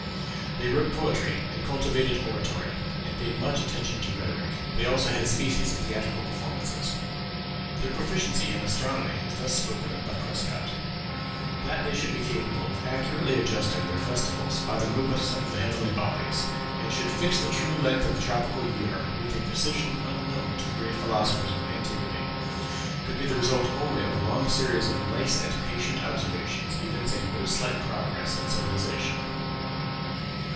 They wrote poetry and cultivated oratory, and paid much attention to rhetoric. They also had a species of theatrical performances. Their proficiency in astronomy is thus spoken of by Prescott: "That they should be capable of accurately adjusting their festivals by the movements of the heavenly bodies, and should fix the true length of the tropical year with a precision unknown to the great philosophers of antiquity, could be the result only of a long series of nice and patient observations, evincing no slight progress in civilization."